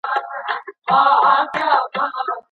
ایا افغان سوداګر چارمغز صادروي؟